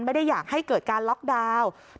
ไม่ได้อยากให้เกิดการล็อกดาวน์